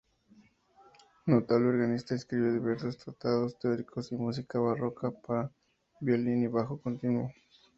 Notable organista, escribió diversos tratados teóricos y música barroca para violín y bajo continuo.